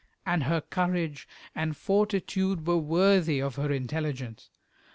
And her courage and fortitude were worthy of her intelligence.